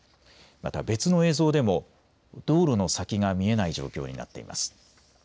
また別の映像でも道路の先が見えない状況になってます。